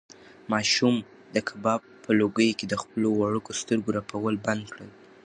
ماشوم د کباب په لوګیو کې د خپلو وړوکو سترګو رپول بند کړل.